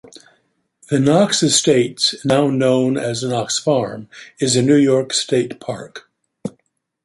The Knox Estates, now known as Knox Farm, is a New York state park.